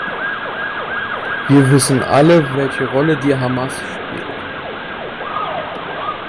Wir wissen alle, welche Rolle die Hamas spielt.